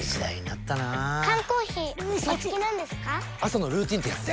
朝のルーティンってやつで。